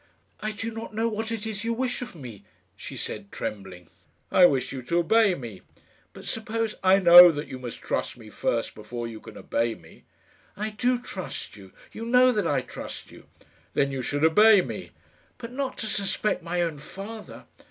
"I do not know what it is you wish of me," she said, trembling. "I wish you to obey me." "But suppose " "I know that you must trust me first before you can obey me." "I do trust you. You know that I trust you." "Then you should obey me." "But not to suspect my own father!"